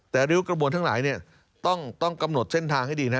แต่ริ้วกระบวนทั้งหลายต้องกำหนดเส้นทางให้ดีนะ